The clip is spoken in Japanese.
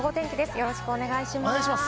よろしくお願いします。